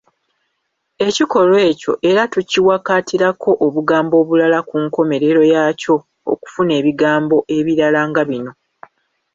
Ekikolwa ekyo era tukiwakatirako obugambo obulala ku nkomerero yaakyo okufuna ebigambo ebirala nga bino.